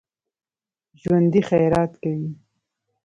ژوندي خیرات کوي